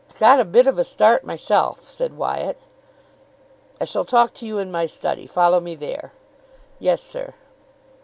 "I got a bit of a start myself," said Wyatt. "I shall talk to you in my study. Follow me there." "Yes, sir."